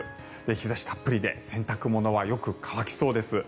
日差したっぷりで洗濯物はよく乾きそうです。